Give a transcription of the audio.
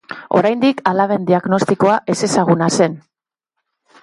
Oraindik alaben diagnostikoa ezezaguna zen.